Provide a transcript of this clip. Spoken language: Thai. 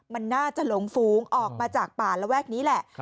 มันน่าจะหลงฟูงออกมาจากป่าระแวกนี้แหละ